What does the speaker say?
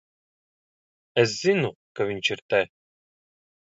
Es zinu, ka viņš ir te.